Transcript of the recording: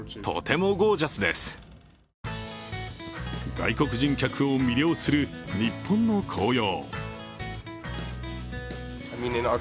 外国人客を魅了する日本の紅葉。